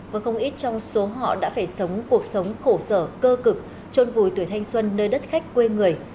và không ít trong số họ đã phải sống cuộc sống khổ sở cơ cực trôn vùi tuổi thanh xuân nơi đất khách quê người